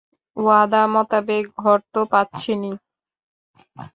ওয়াদা মোতাবেক, ঘর তো পাচ্ছেনই।